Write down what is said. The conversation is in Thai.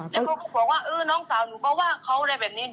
แล้วก็บอกว่าน้องสาวก็ว่าเพราะอะไรแบบนี้